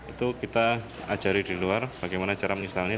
itu kita ajari di luar bagaimana cara menyesalnya